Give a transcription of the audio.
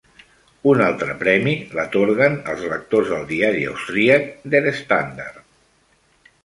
Un altre premi l'atorguen els lectors del diari austríac "Der Standard".